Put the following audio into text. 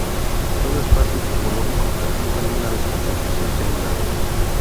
Todo espacio topológico admite alguna descomposición celular.